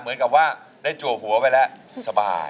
เหมือนกับว่าได้จัวหัวไปแล้วสบาย